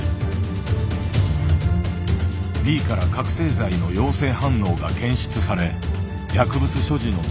Ｂから覚醒剤の陽性反応が検出され薬物所持の罪で逮捕した。